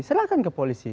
silahkan ke polisi